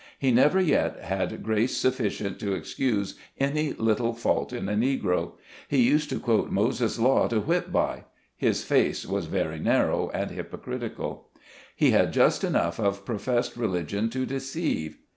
He never yet had grace sufficient to excuse any little fault in a Negro. He used to quote Moses' law to whip by. His face was very narrow and hypocritical. He had just enough of professed religion to deceive.